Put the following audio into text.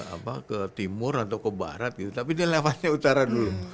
apa ke timur atau ke barat gitu tapi dia lewatnya utara dulu